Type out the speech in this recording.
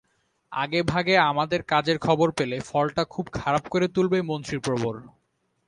আগেভাগে আমাদের কাজের খবর পেলে ফলটা খুব খারাপ করে তুলবে মন্ত্রীপ্রবর।